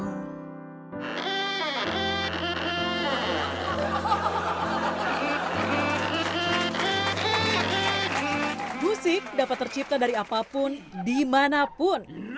musik dapat tercipta dari apapun dimanapun